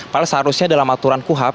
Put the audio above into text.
karena seharusnya dalam aturan kuhap